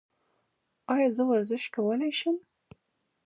ایا زه ورزش کولی شم؟